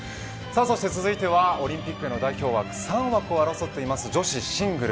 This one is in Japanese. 続いてはオリンピックの代表枠３枠を争っている女子シングル。